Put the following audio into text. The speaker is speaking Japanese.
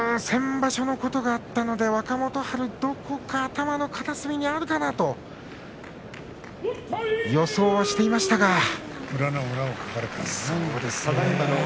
先場所のことがあったので若元春、どこか頭の片隅にあるかなと予想はしていましたが。